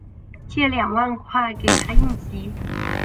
借两万块给她应急